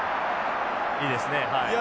いいですねはい。